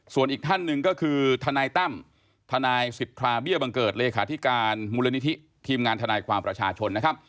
ส่วนอีกท่านหนึ่งก็คือทนายตั้มทนายสิทธาเบี้ยบังเกิดเลขาธิการมูลนิธิทีมงานทนายความประชาชนนะครับ